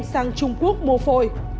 đi sang trung quốc mua phôi